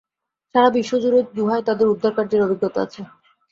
সারাবিশ্ব জুড়ে গুহায় তাদের উদ্ধাকার্যের অভিজ্ঞতা আছে।